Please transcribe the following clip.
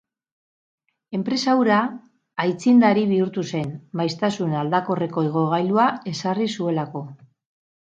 Enpresa hura aitzindari bihurtu zen, maiztasun aldakorreko igogailua ezarri zuelako.